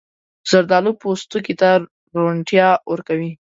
زردالو پوستکي ته روڼتیا ورکوي.